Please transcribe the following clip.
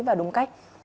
và đúng cách